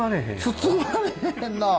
包まれへんなぁ。